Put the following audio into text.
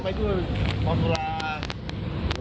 ไม่ได้เล่นครับ